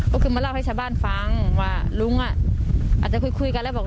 ก็คือมาเล่าให้ชาวบ้านฟังว่าลุงอ่ะอาจจะคุยกันแล้วบอก